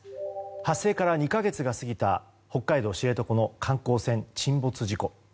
発生から２か月が過ぎた北海道知床の観光船沈没事故。